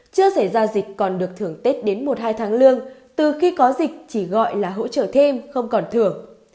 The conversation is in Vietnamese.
chưa xảy ra dịch còn được thưởng tết đến một hai tháng lương từ khi có dịch chỉ gọi là hỗ trợ thêm không còn thừa